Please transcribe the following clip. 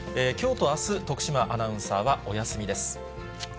きょうとあす、徳島アナウンサーはお休みです。